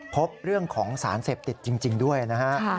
พบเรื่องของสารเสพติดจริงด้วยนะฮะ